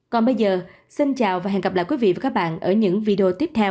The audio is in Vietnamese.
còn bây giờ xin chào và hẹn gặp lại quý vị và các bạn ở những video tiếp theo